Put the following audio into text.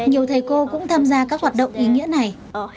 nhiều thầy cô cũng tham gia các hoạt động ý nghĩa này